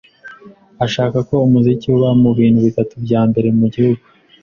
ashaka ko umuziki uba mu bintu bitatu byambere mugihugu